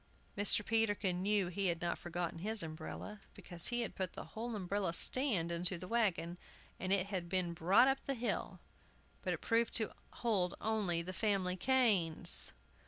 Mr. Peterkin knew he had not forgotten his umbrella, because he had put the whole umbrella stand into the wagon, and it had been brought up the hill, but it proved to hold only the family canes!